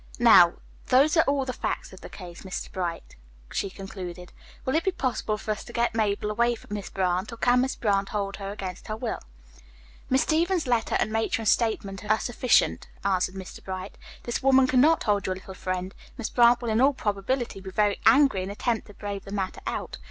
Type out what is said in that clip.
"Now, those are all the facts of the case, Mr. Bright," she concluded. "Will it be possible for us to get Mabel away from Miss Brant, or can Miss Brant hold her against her will?" "Miss Stevens' letter and the matron's statement are sufficient," answered Mr. Bright. "This woman cannot hold your little friend. Miss Brant will in all probability be very angry, and attempt to brave the matter out.